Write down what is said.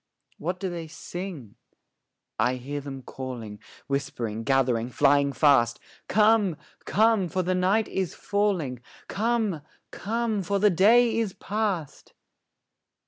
What do they sing? I hear them calling, Whispering, gathering, flying fast, 'Come, come, for the night is falling; Come, come, for the day is past!'